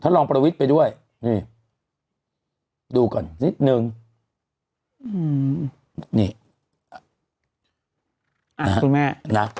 ท่านรองประวิษฐ์ไปด้วยนี่ดูก่อนนิดหนึ่งอืมนี่อ่ะคุณแม่นะ